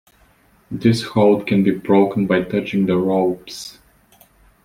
This hold can be broken by touching the ropes.